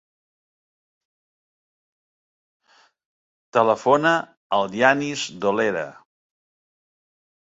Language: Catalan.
Telefona al Yanis Dolera.